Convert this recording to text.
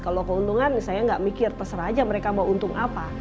kalau keuntungan saya nggak mikir peser aja mereka mau untung apa